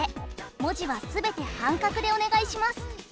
文字は全て半角でお願いします。